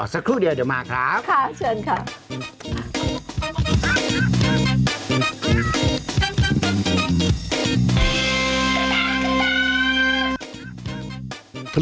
สักครู่เดี๋ยวเดี๋ยวมาครับ